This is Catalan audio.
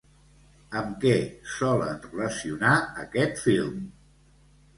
Amb què solen relacionar aquest film?